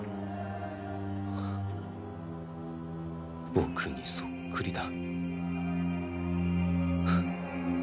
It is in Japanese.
僕にそっくりだ。